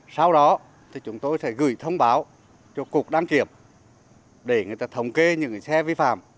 sau đó thì chúng tôi sẽ gửi thông báo cho cục đăng kiểm để người ta thống kê những xe vi phạm